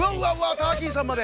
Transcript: ターキーさんまで！